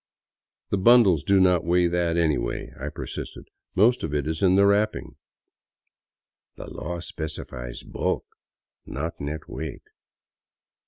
" The bundles do not weigh that, anyway," I persisted. " Most of it is in the wrappings." " The law specifies bulk, not net weight."